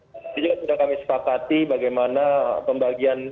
jadi juga sudah kami sepakati bagaimana pembagian